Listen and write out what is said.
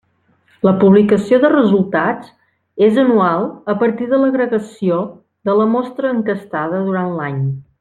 La publicació de resultats és anual a partir de l'agregació de la mostra enquestada durant l'any.